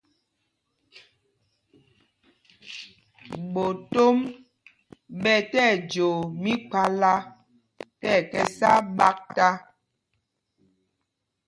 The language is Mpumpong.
Ɓotom ɓɛ tí ɛjoo míkphālā tí ɛkɛ sá ɓaktá.